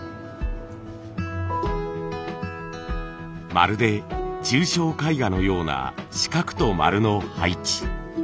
まるで抽象絵画のような四角と丸の配置。